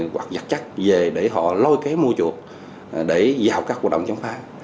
hoặc vật chất về để họ lôi ké mua chuột để vào các hoạt động chống phá